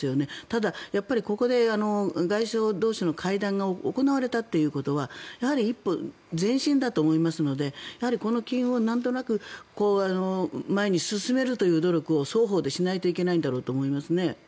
ただ、ここで外相同士の会談が行われたということはやはり一歩前進だと思いますのでこの機運をなんとなく前に進めるという努力を双方でしないといけないんだろうと思いますね。